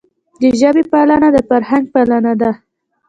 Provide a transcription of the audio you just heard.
د ژبي پالنه د فرهنګ پالنه ده.